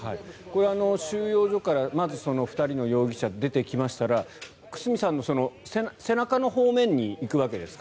収容所から、まず２人の容疑者が出てきましたら久須美さんの背中の方面に行くわけですか？